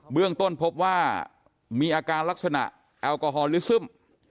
เรื่องต้นพบว่ามีอาการลักษณะแอลกอฮอลหรือซึม